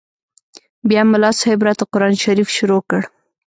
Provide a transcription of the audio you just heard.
بيا ملا صاحب راته قران شريف شروع کړ.